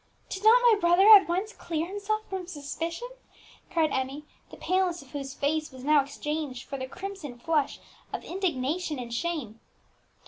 "Did not my brother at once clear himself from suspicion?" cried Emmie, the paleness of whose face was now exchanged for the crimson flush of indignation and shame.